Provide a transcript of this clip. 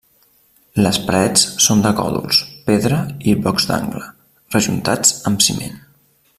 Les parets són de còdols, pedra i blocs d'angle, rejuntats amb ciment.